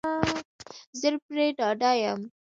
زه پری ډاډه یم